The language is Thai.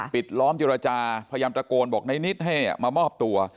ล้อมเจรจาพยายามตะโกนบอกในนิดให้มามอบตัว